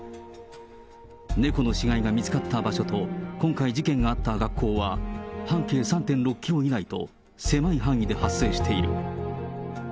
猫の死骸が見つかった場所と今回事件があった学校は、半径３．６キロ以内と、狭い範囲で発生している。